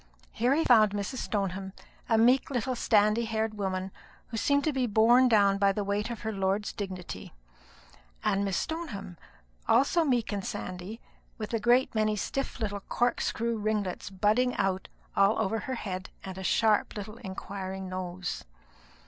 Here he found Mrs. Stoneham, a meek little sandy haired woman, who seemed to be borne down by the weight of her lord's dignity; and Miss Stoneham, also meek and sandy, with a great many stiff little corkscrew ringlets budding out all over her head and a sharp little inquiring nose.